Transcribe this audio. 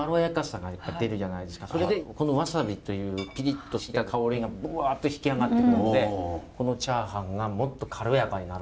それでそのワサビというピリッとした香りがぶわッと引き上がってくるんでこのチャーハンがもっと軽やかになる。